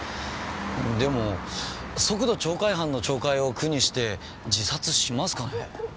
でも速度超過違反の懲戒を苦にして自殺しますかね？